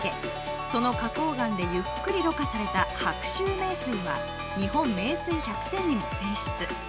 その花こう岩でゆっくりろ過された白州名水は日本名水百選にも選出。